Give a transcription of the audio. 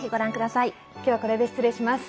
今日は、これで失礼します。